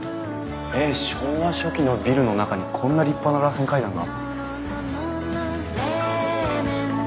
昭和初期のビルの中にこんな立派な螺旋階段が！